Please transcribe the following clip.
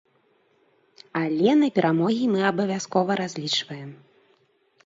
Але на перамогі мы абавязкова разлічваем!